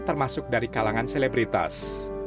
termasuk dari kalangan selebritas